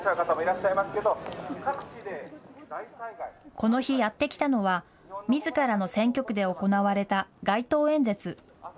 この日やって来たのは、みずからの選挙区で行われた街頭演説。